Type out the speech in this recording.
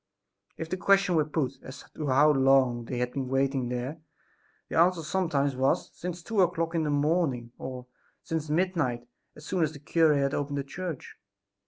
If the question were put as to how long they had been waiting there the answer sometimes was: "since two o'clock in the morning," or, "since midnight, as soon as the cure had opened the church."